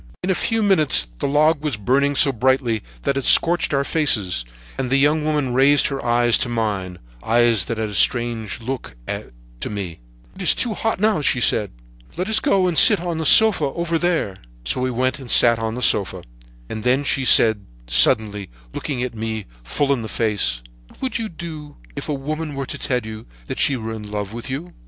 "In a few minutes the log was burning so brightly that it scorched our faces, and the young woman raised her eyes to mine—eyes that had a strange look to me. "'It is too hot now,' she said; 'let us go and sit on the sofa over there.' "So we went and sat on the sofa, and then she said suddenly, looking me full in the face: "'What would you do if a woman were to tell you that she was in love with you?'